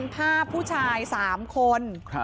ภาพผู้ชายสามคน